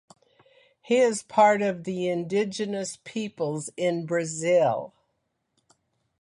He is part of the Indigenous peoples in Brazil.